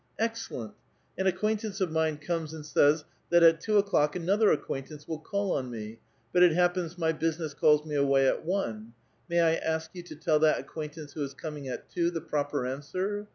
*'*' Excellent ! An acquaintance of mine comes and says, that at two o'clock another acquintance will call on me, but it happens m^' business calls me away at one. May I ask you to tell that acquaintance who is coming at two the proper answer?